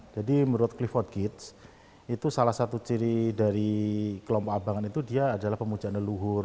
jadi menurut clifford gates itu salah satu ciri dari kelompok abangan itu dia adalah pemujaan leluhur